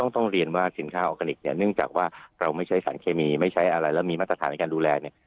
ต้องเรียนว่าสินค้าออร์แกนิคเนี่ยเนื่องจากว่าเราไม่ใช้สารเคมีไม่ใช้อะไรแล้วมีมาตรฐานในการดูแลเนี่ย